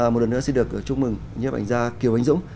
một lần nữa xin được chúc mừng nhóm ảnh gia kiều ánh dũng